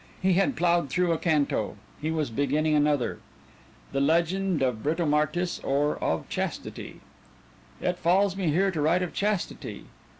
He had ploughed through a canto; he was beginning another: THE LEGEND OF BRITOMARTIS OR OF CHASTITY _It falls me here to write of Chastity.